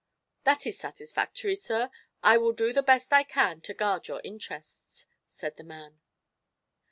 "That is satisfactory, sir. I will do the best I can to guard your interests," said the man.